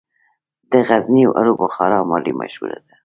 د غزني الو بخارا ولې مشهوره ده؟